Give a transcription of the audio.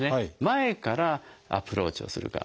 前からアプローチをするか。